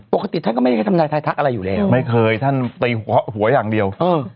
ปกติท่านก็ไม่ได้ให้ทำนายไทยทักอะไรอยู่แล้วไม่เคยท่านตีหัวอย่างเดียวเออ